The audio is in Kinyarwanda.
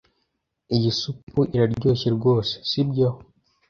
Iyi supu iraryoshye rwose, sibyo?